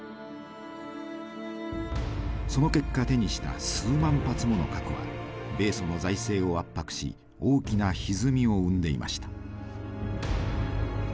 その結果手にした数万発もの核は米ソの財政を圧迫し大きなひずみを生んでいました。